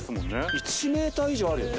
１メーター以上あるよね。